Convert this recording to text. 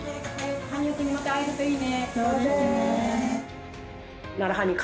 羽生君とまた会えるといいね。